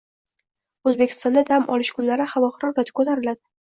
O‘zbekistonda dam olish kunlari havo harorati ko‘tariladi